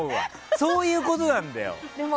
そういうことなんだよ。